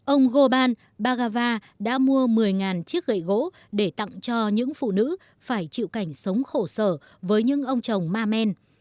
ông gorban bagava đã mua một mươi chiếc gậy gỗ để tặng cho những phụ nữ phải chịu cảnh sống khổ sở với những ông chồng ma men